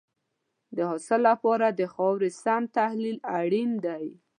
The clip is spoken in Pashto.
د حاصل لپاره د خاورې سم تحلیل اړین دی.